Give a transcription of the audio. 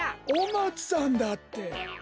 お松さんだって！